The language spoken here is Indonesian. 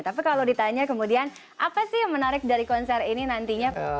tapi kalau ditanya kemudian apa sih yang menarik dari konser ini nantinya